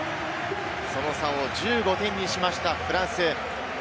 その差を１５点にしましたフランス。